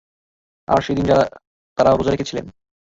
আর সেদিন তারা রোযাও রেখেছিলেন।